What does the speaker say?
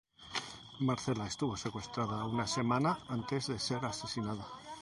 Marcela estuvo secuestrada una semana antes de ser asesinada.